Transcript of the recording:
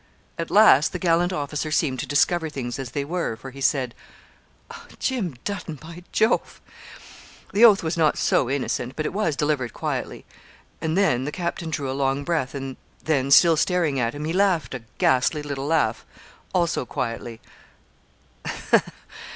At last the gallant officer seemed to discover things as they were, for he said 'Jim Dutton, by Jove!' The oath was not so innocent; but it was delivered quietly; and then the captain drew a long breath, and then, still staring at him, he laughed a ghastly little laugh, also quietly.